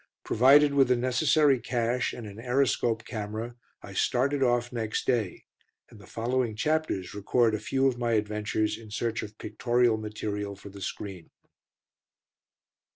Provided with the necessary cash, and an Aeroscope camera, I started off next day, and the following chapters record a few of my adventures in search of pictorial material for the screen.